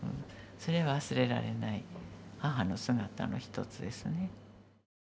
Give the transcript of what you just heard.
それ忘れられない母の姿の一つですね。